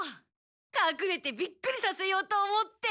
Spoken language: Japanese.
かくれてビックリさせようと思って。